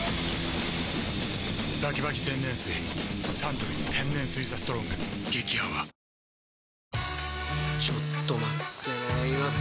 サントリー天然水「ＴＨＥＳＴＲＯＮＧ」激泡ちょっとピンポーンえぇ